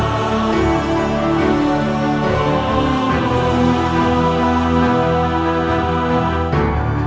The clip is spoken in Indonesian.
aku sangat rindu dengan ibu bunda